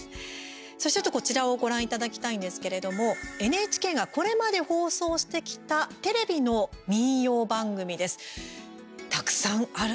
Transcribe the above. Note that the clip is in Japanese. ちょっと、こちらをご覧いただきたいんですけれどもＮＨＫがこれまで放送してきたテレビの民謡番組です。